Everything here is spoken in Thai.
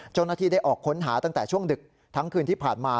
เจ้าหน้าที่ได้ออกค้นหาตั้งแต่ช่วงดึกทั้งคืนที่ผ่านมา